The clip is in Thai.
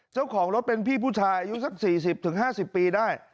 เจ้าของรถเป็นพี่ผู้ชายอายุสัก๔๐๕๐ปีได้